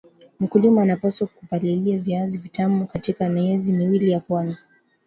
mkulima anapaswa kupalilia viazi vitamu katika miezi miwili ya kwanza